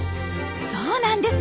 そうなんです。